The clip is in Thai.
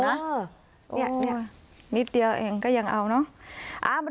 เนี่ยนิดเดียวเองก็ยังเอาเนอะ